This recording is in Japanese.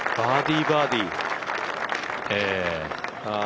バーディー、バーディー。